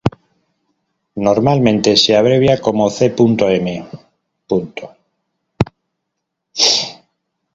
Normalmente se abrevia como c.m..